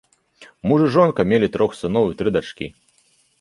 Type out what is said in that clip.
Муж і жонка мелі трох сыноў і тры дачкі.